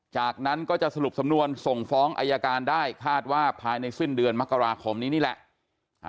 จากนั้นก็จะสรุปสำนวนส่งฟ้องอายการได้คาดว่าภายในสิ้นเดือนมกราคมนี้นี่แหละ